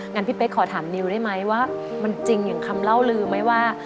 งั้นพี่เป๊กขอถามนิวได้ไหมว่ามันจริงอย่างคำเล่าลืมไหมว่า